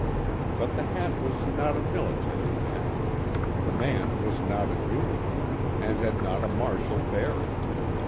But the hat was not a military hat, the man was not in uniform and had not a martial bearing.